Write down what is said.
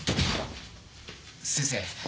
先生